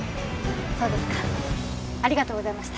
そうですかありがとうございました。